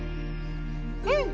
うん！